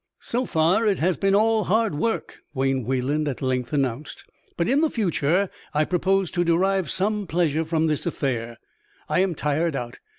"So far it has been all hard work," Wayne Wayland at length announced, "but in the future I propose to derive some pleasure from this affair. I am tired out.